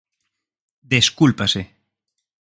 Descúlpase.